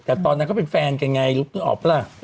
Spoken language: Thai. แต่ตอนนั้นเขาเป็นแฟนกันอย่างไรลุกนึกออกหรือล่ะ